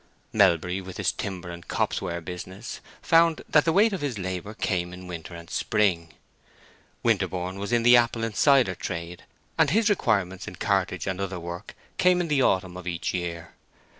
Melbury, with his timber and copse ware business, found that the weight of his labor came in winter and spring. Winterborne was in the apple and cider trade, and his requirements in cartage and other work came in the autumn of each year.